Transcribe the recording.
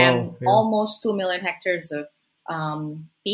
dan hampir dua juta hektare